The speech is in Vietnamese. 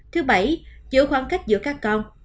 thứ bảy giữ khoảng cách giữa các con